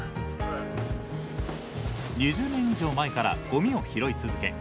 ２０年以上前からごみを拾い続け